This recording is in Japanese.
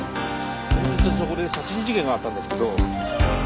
先日そこで殺人事件があったんですけど。